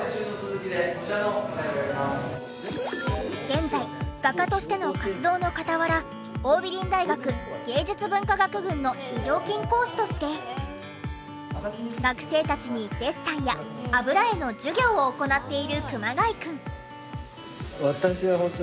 現在画家としての活動の傍ら桜美林大学芸術文化学群の非常勤講師として学生たちにデッサンや油絵の授業を行っている熊谷くん。